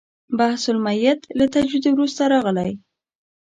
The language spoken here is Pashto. بحث المیت له تجوید وروسته راغلی.